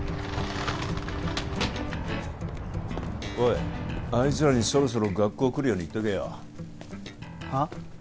おいあいつらにそろそろ学校来るように言っとけよはっ？